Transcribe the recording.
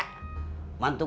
pas luas tish